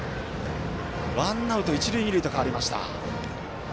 ワンアウト、一塁二塁と変わりました。